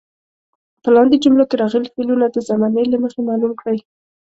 په لاندې جملو کې راغلي فعلونه د زمانې له مخې معلوم کړئ.